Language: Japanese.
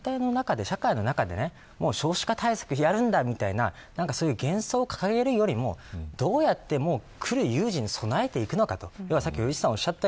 日本全体の中で、社会の中で少子化対策やるんだみたいなそういう幻想を掲げるよりもどうやっても来る有事に備えていくのか